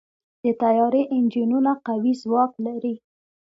د طیارې انجنونه قوي ځواک لري.